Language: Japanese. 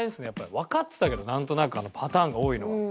わかってたけどなんとなくパターンが多いのは。